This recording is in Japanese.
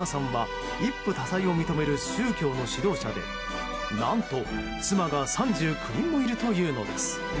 ロイター通信によりますとチャナさんは一夫多妻を認める宗教の指導者で何と妻が３９人もいるというのです。